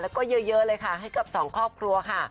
แล้วก็เยอะเลยค่ะให้กับสองครอบครัวค่ะ